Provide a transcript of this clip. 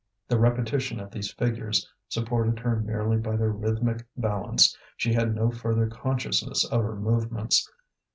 The repetition of these figures supported her merely by their rhythmic balance; she had no further consciousness of her movements.